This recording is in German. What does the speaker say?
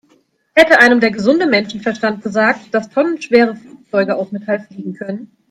Hätte einem der gesunde Menschenverstand gesagt, dass tonnenschwere Flugzeuge aus Metall fliegen können?